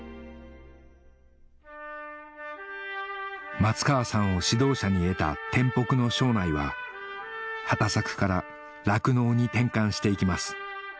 松川さんを指導者に得た天北の庄内は畑作から酪農に転換していきます